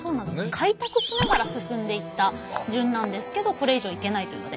開拓しながら進んでいった順なんですけどこれ以上行けないというので。